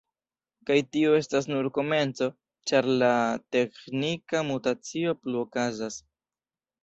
Kaj tio estas nur komenco, ĉar la teĥnika mutacio plu okazas.